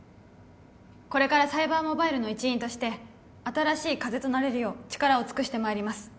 これからサイバーモバイルの一員として新しい風となれるよう力を尽くしてまいります